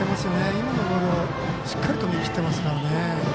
今のボールをしっかり見切ってますから。